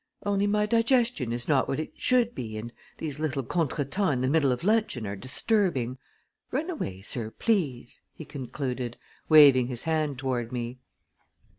Only my digestion is not what it should be and these little contretemps in the middle of luncheon are disturbing. Run away, sir, please!" he concluded, waving his hand toward me.